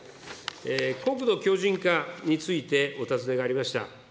国土強じん化についてお尋ねがありました。